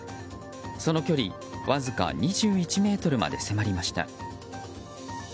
その距離わずか２１ｍまで迫りました。